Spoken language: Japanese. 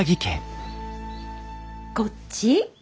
こっち？